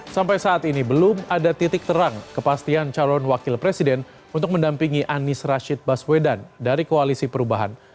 sampai saat ini belum ada titik terang kepastian calon wakil presiden untuk mendampingi anies rashid baswedan dari koalisi perubahan